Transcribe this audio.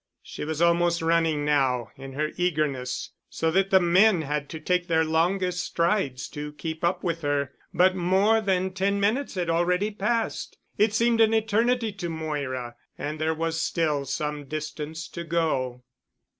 She was almost running now in her eagerness so that the men had to take their longest strides to keep up with her, but more than ten minutes had already passed, it seemed an eternity to Moira, and there was still some distance to go.